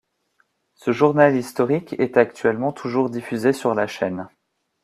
Ce journal historique est actuellement toujours diffusé sur la chaîne.